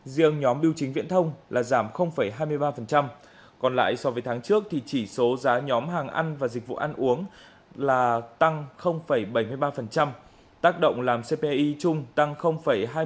riêng nhóm biểu chính viễn thông là giảm hai mươi ba còn lại so với tháng trước thì chỉ số giá nhóm hàng ăn và dịch vụ ăn uống là tăng bảy mươi ba tác động làm cpi chung tăng hai mươi chín